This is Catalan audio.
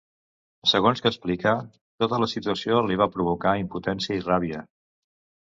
Segons que explica, tota la situació li va provocar impotència i ràbia.